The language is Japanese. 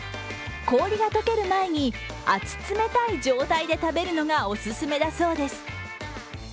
氷が溶ける前に、熱冷たい状態で食べるのがおすすめだそうです。